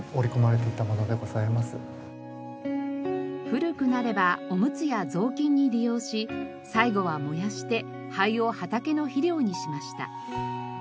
古くなればおむつや雑巾に利用し最後は燃やして灰を畑の肥料にしました。